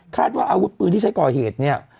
ว่าอาวุธปืนที่ใช้ก่อเหตุเนี่ย